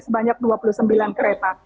sebanyak dua puluh sembilan kereta